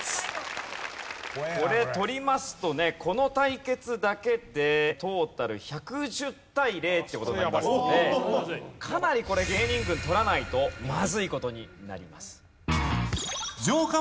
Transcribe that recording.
これ取りますとねこの対決だけでトータル１１０対０という事になりますのでかなりこれ芸人軍取らないとまずい事になります。